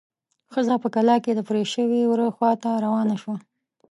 ښځه په کلا کې د پرې شوي وره خواته روانه شوه.